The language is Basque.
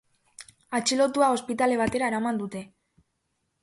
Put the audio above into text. Atxilotua ospitale batera eraman dute.